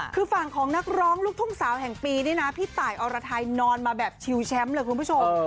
คือฝั่งของนักร้องลูกทุ่งสาวแห่งปีนี่นะพี่ตายอรไทยนอนมาแบบชิวแชมป์เลยคุณผู้ชม